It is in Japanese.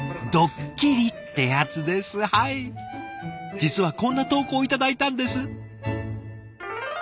実はこんな投稿を頂いたんです。